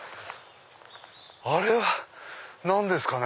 あれは何ですかね？